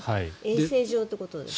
衛生上ということですか。